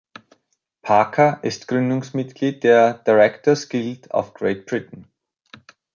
Parker ist Gründungsmitglied der "Director’s Guild of Great Britain".